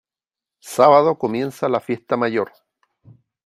Sábado comienza la Fiesta Mayor.